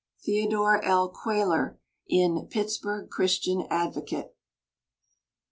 Theodore L. Cuyler, in Pittsburgh Christian Advocate.